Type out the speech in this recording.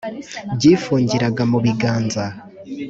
byifungiraga mu biganza